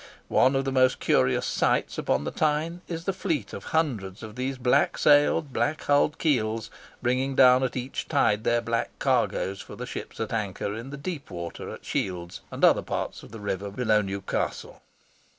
One of the most curious sights upon the Tyne is the fleet of hundreds of these black sailed, black hulled keels, bringing down at each tide their black cargoes for the ships at anchor in the deep water at Shields and other parts of the river below Newcastle.